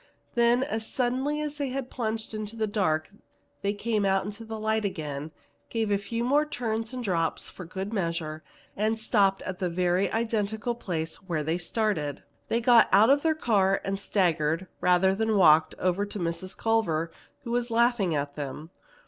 Then as suddenly as they had plunged into the dark, they came out into the light again, gave a few more turns and drops for good measure, and stopped at the very identical place where they started. They got out of their car, and staggered, rather than walked, over to Mrs. Culver, who was laughing at them.